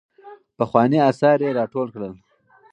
پخواني اثار يې راټول کړل.